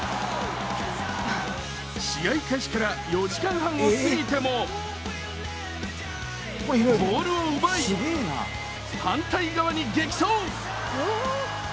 試合開始から４時間半を過ぎてもボールを奪い、反対側に激走。